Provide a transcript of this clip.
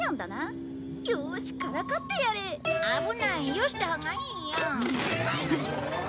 よしたほうがいいよ。